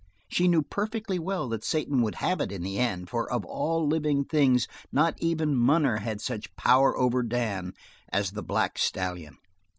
She knew perfectly well that Satan would have it in the end, for of all living things not even Munner had such power over Dan as the black stallion.